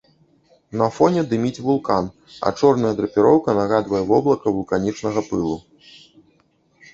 На фоне дыміць вулкан, а чорная драпіроўка нагадвае воблака вулканічнага пылу.